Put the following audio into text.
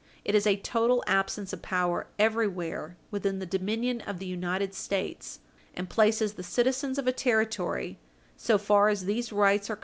It is a total absence of power everywhere within the dominion of the United States, and places the citizens of a Territory, so far as these rights are Page 60 U.